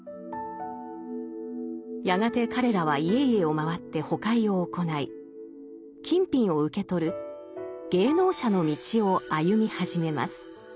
やがて彼らは家々を回ってほかひを行い金品を受け取る芸能者の道を歩み始めます。